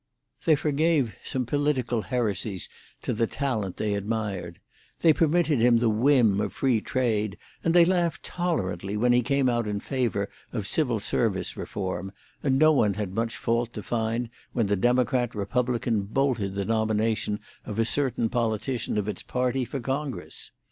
They forgave some political heresies to the talent they admired; they permitted him the whim of free trade, they laughed tolerantly when he came out in favour of civil service reform, and no one had much fault to find when the Democrat Republican bolted the nomination of a certain politician of its party for Congress.